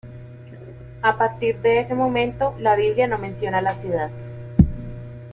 A partir de ese momento, la Biblia no menciona la ciudad.